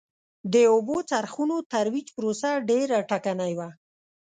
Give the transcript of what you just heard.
د اوبو څرخونو ترویج پروسه ډېره ټکنۍ وه